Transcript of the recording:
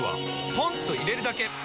ポンと入れるだけ！